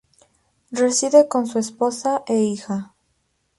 Reside con su esposa e hija.